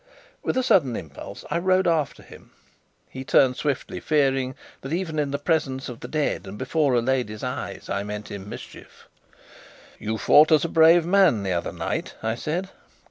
With a sudden impulse, I rode after him. He turned swiftly, fearing that, even in the presence of the dead and before a lady's eyes, I meant him mischief. "You fought as a brave man the other night," I said.